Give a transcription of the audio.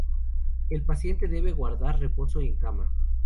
El paciente debe guardar reposo en cama.